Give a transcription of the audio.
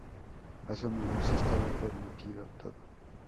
Más o menos estaba permitido todo.